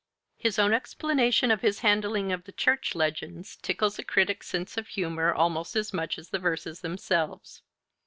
His own explanation of his handling of the church legends tickles a critic's sense of humor almost as much as the verses themselves.